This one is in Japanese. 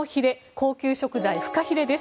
高級食材フカヒレです。